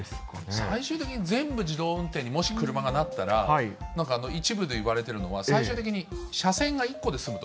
最終的に全部自動運転にもし車がなったら、一部で言われてるのは、最終的に車線が１個で済むと。